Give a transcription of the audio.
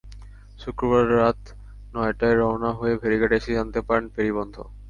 শুক্রবার রাত নয়টায় রওনা হয়ে ফেরিঘাটে এসে জানতে পারেন, ফেরি বন্ধ।